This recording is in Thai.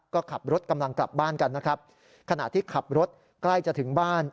ก็ขับรถกำลังกลับบ้านกันนะครับขณะที่ขับรถใกล้จะถึงบ้าน